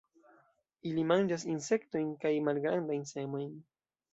Ili manĝas insektojn kaj malgrandajn semojn.